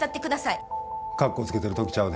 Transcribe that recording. かっこつけてる時ちゃうで。